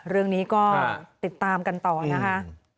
เรื่องนี้ก็ติดตามกันต่อนะคะ